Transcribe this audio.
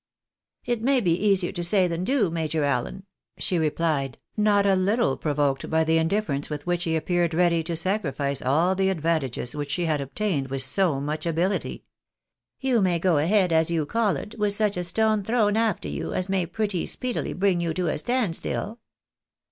''" It may be easier to say than to do. Major Allen," she replied, not a httle provoked by the indifference with which he appeared ready to sacrifice all the advantages which she had obtained with so much ability. " You may go ahead, as you call it, with such a stone thrown after you as may pretty speedily bring you to a stand still."